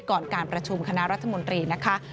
ก่อนการประชุมคณะรัฐมนตรีนะคะ